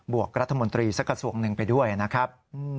วกรัฐมนตรีสักกระทรวงหนึ่งไปด้วยนะครับ